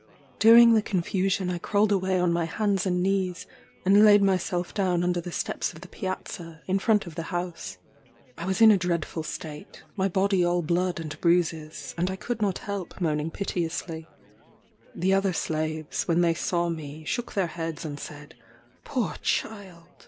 During the confusion I crawled away on my hands and knees, and laid myself down under the steps of the piazza, in front of the house. I was in a dreadful state my body all blood and bruises, and I could not help moaning piteously. The other slaves, when they saw me, shook their heads and said, "Poor child!